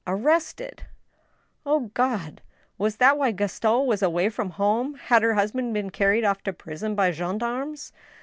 Arrested ! O God, was that why Gaston was away from home ? Had her husband been carried off to prison by gendarmes